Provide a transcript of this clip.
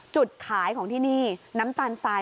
จุดขายของที่นี่น้ำตาลทราย